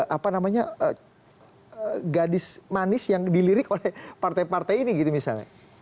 apa namanya gadis manis yang dilirik oleh partai partai ini gitu misalnya